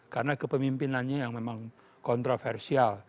karena kepemimpinannya yang memang kontroversial